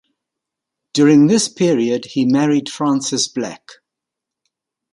During this period, he married Francis Black.